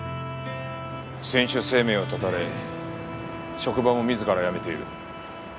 選手生命を絶たれ職場も自ら辞めている。